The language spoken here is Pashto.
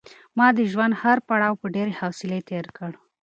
ما د ژوند هر پړاو په ډېرې حوصلې تېر کړ.